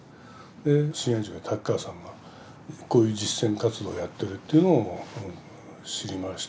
で親愛塾で竹川さんがこういう実践活動をやってるっていうのを知りました。